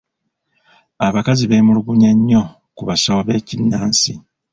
Abakazi beemulugunya nnyo ku basawo b'ekinnansi.